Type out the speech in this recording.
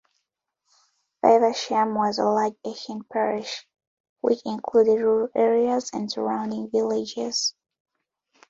Faversham was a large ancient parish, which included rural areas and surrounding villages.